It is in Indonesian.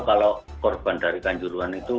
kalau korban dari kanjuruan itu